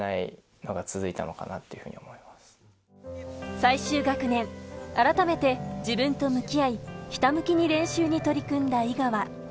最終学年、改めて自分と向き合い、ひたむきに練習に取り組んだ井川。